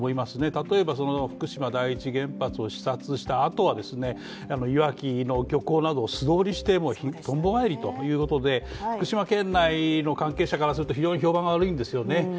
例えば、福島第一原発を視察したあと、岩木の漁港などを素通りしてとんぼ返りということで、福島県内の関係者からすると非常に評判が悪いんですよね。